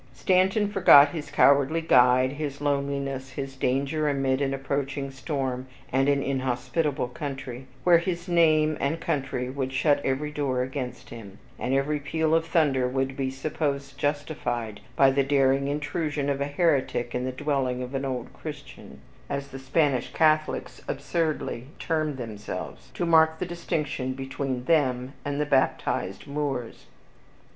Stanton forgot his cowardly guide, his loneliness, his danger amid an approaching storm and an inhospitable country, where his name and country would shut every door against him, and every peal of thunder would be supposed justified by the daring intrusion of a heretic in the dwelling of an old Christian, as the Spanish Catholics absurdly term themselves, to mark the distinction between them and the baptized Moors.